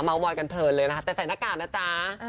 มอยกันเพลินเลยนะคะแต่ใส่หน้ากากนะจ๊ะ